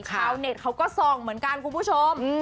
เน็ตเขาก็ส่องเหมือนกันคุณผู้ชม